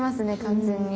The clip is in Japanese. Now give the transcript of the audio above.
完全に。